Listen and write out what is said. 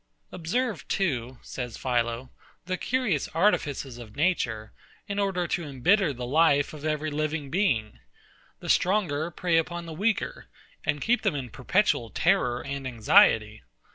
Observe too, says PHILO, the curious artifices of Nature, in order to embitter the life of every living being. The stronger prey upon the weaker, and keep them in perpetual terror and anxiety.